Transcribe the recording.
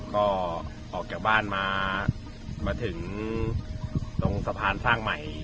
ก็ออกจากบ้านมามาถึงตรงสะพานสร้างใหม่